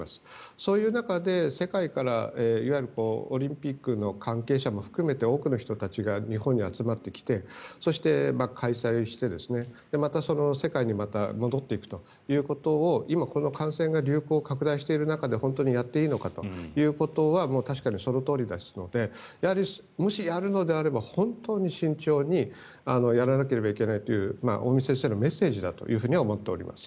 そういう中で世界からいわゆるオリンピックの関係者も含めて多くの人たちが日本に集まってきてそして、開催をして、世界にまた戻っていくということを今、この感染が流行・拡大している中で本当にやっていいのかということは確かにそのとおりですのでやはりもしやるのであれば本当に慎重にやらなければいけないという尾身先生のメッセージだと思っております。